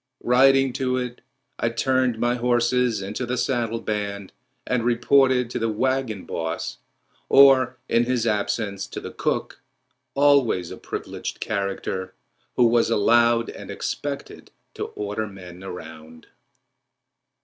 Riding to it, I turned my horses into the saddle band and reported to the wagon boss, or, in his absence, to the cook—always a privileged character, who was allowed and expected to order men around.